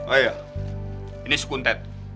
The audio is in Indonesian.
oh iya ini sekuntet